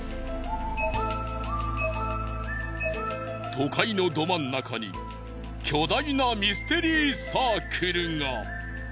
都会のど真ん中に巨大なミステリーサークルが。